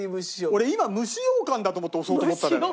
俺今蒸し羊かんだと思って押そうと思ったんだよ。